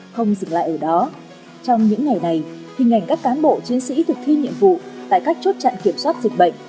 không dừng lại ở đó trong những ngày này hình ảnh các cán bộ chiến sĩ thực thi nhiệm vụ tại các chốt chặn kiểm soát dịch bệnh